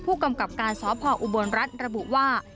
ผู้กำกับการสพออุบลรัฐระบุว่า